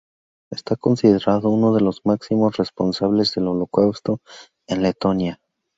Está considerado uno de los máximos responsables del Holocausto en Letonia.